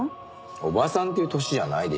おばさんという歳じゃないでしょう。